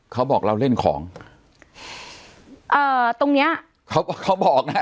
เขาบอกเราเล่นของเอ่อตรงเนี้ยเขาก็เขาบอกนะ